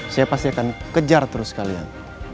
saya pasti akan kejar terus kalian